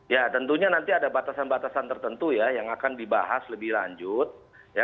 ya tentunya nanti ada batasan batasan tertentu ya yang akan dibahas lebih lanjut